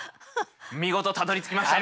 見事たどりつきましたね。